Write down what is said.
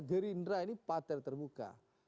geridra ini partai terbuka